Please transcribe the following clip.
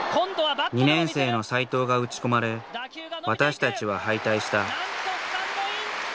２年生の斎藤が打ち込まれ私たちは敗退した。